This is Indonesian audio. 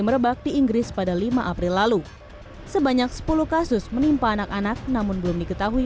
merebak di inggris pada lima april lalu sebanyak sepuluh kasus menimpa anak anak namun belum diketahui